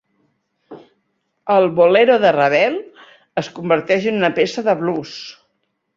El "Bolero" de Ravel es converteix en una peça de blues.